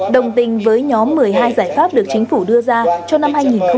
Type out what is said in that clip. đồng tình với nhóm một mươi hai giải pháp được chính phủ đưa ra cho năm hai nghìn hai mươi